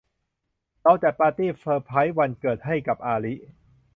เราจัดปาร์ตี้เซอร์ไพร์ซวันเกิดให้กับอาลิ